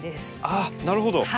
ああなるほど。